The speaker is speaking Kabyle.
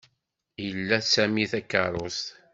Ila Sami takeṛṛust.